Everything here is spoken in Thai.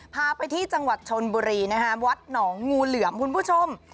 พาไปที่จังหวัดชนบุรีนะฮะวัดหนองงูเหลือมคุณผู้ชม